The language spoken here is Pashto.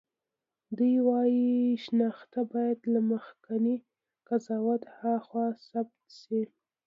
دوی وايي شناخت باید له مخکېني قضاوت هاخوا ثبت شي.